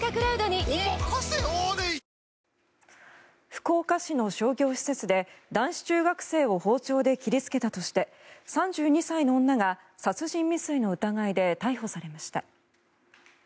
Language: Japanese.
福岡市の商業施設で男子中学生を包丁で切りつけたとして３２歳の女が殺人未遂の疑いで逮捕されました。